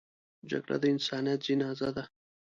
جګړه د انسانیت جنازه ده